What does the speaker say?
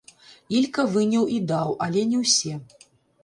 Ілька выняў і даў, але не ўсе.